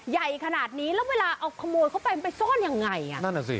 ใหญ่ขนาดนี้แล้วเวลาเอาขโมยเข้าไปมันไปซ่อนยังไงอ่ะนั่นอ่ะสิ